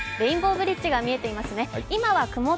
レインボーブリッジが見えていますね。